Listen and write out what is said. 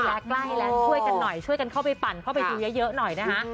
ได้ละใบละช่วยกันหน่อยช่วยกันเข้าไปปั่นเพื่อไปวิวเยอะหน่อยนะคะ